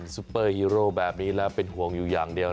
ซุปเปอร์ฮีโร่แบบนี้แล้วเป็นห่วงอยู่อย่างเดียว